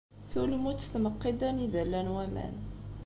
Tulmut tmeqqi-d anida llan waman.